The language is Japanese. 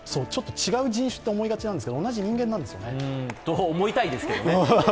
ちょっと違う人種って思いがちですが、同じ人間なんですよね。と、思いたいですよね。